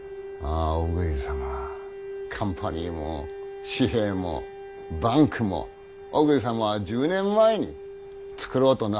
小栗様はカンパニーも紙幣もバンクも小栗様は１０年前に作ろうとなさっていらした。